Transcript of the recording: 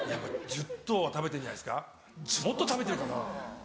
１０頭は食べてんじゃないですかもっと食べてるかな？